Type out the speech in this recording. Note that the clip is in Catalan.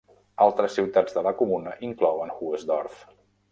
Altres ciutats de la comuna inclouen Hoesdorf.